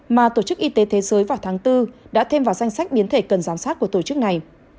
mà tổ chức y tế thế giới vào tháng bốn đã thêm vào danh sách biến thể cần giám sát của tổ chức này